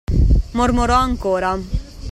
Mormorò ancora